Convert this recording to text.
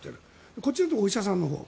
こっちだとお医者さんのほう。